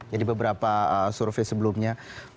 jadi beberapa survei sebelumnya